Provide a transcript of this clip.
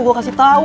gua kasih tau